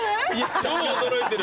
超驚いてる。